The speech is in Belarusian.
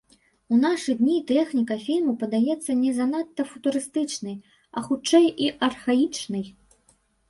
У нашы дні тэхніка фільму падаецца не занадта футурыстычнай, а хутчэй і архаічнай.